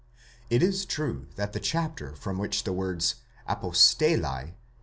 It is true that the chapter from which the words ἀποστεῖλαι x.